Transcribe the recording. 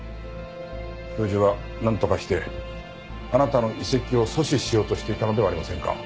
教授はなんとかしてあなたの移籍を阻止しようとしていたのではありませんか？